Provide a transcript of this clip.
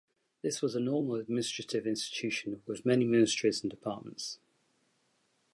This was a normal administrative institution with many ministries and departments.